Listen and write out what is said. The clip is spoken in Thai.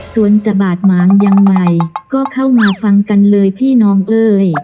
ส่วนจะบาดหมางยังไงก็เข้ามาฟังกันเลยพี่น้องเอ้ย